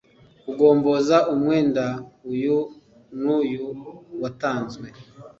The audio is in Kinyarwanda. kugomboza umwenda uyu n uyu watanzwe